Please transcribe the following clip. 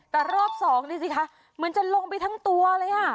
แต่รอบสองนี่สิคะเหมือนจะลงไปทั้งตัวเลยอ่ะ